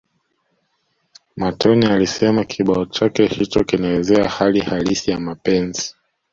Matonya alisema kibao chake hicho kinaelezea hali halisi ya mapenzi